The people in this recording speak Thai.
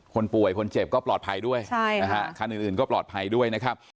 คนป่วยคนเจ็บก็ปลอดภัยด้วยใช่นะฮะคันอื่นก็ปลอดภัยด้วยนะครับ